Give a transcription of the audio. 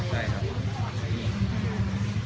ทำให้เขามีรู้สึกกว่าอะไร